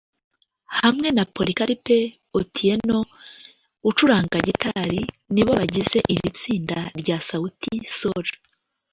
hamwe na Polycarp Otieno ucuranga gitari nibo bagize iri tsinda rya Sauti Sol